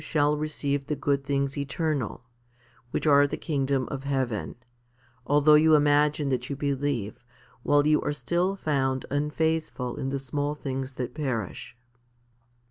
vi. 25, 32. z 302 FIFTY SPIRITUAL HOMILIES receive the good things eternal, which are the kingdom of heaven, although you imagine that you believe, while you are still found unfaithful in the small things that perish.